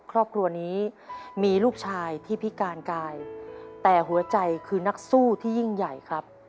ครอบครัวนี้มีลูกชายที่พิการกายแต่หัวใจคือนักสู้ที่ยิ่งใหญ่ครับ